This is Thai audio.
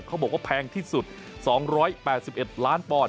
เขาบอกว่าแพงที่สุด๒๘๑ล้านปอนด